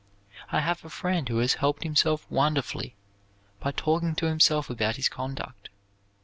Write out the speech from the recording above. I have a friend who has helped himself wonderfully by talking to himself about his conduct.